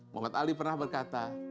muhammad ali pernah berkata